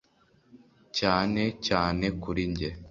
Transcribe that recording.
cyane cyane kuri njye